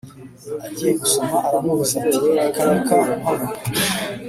agiye gusoma aramubuza ati reka reka muhanuka